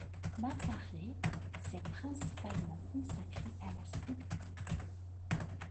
Mataré s'est principalement consacré à la sculpture.